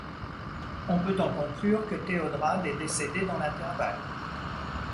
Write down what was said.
On peut en conclure que Théodrade est décédée dans l'intervalle.